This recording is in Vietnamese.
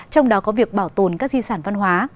trong đó có việc bảo tồn các di sản văn hóa